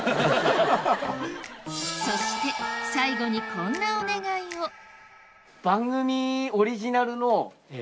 そして最後にこんなお願いをえ！